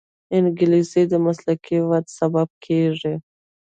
انګلیسي د مسلکي وده سبب کېږي